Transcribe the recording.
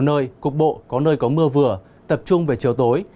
nơi cục bộ có nơi có mưa vừa tập trung về chiều tối